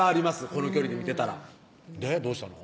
この距離で見てたらでどうしたの？